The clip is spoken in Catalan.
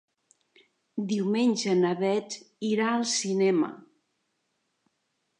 Diumenge na Beth irà al cinema.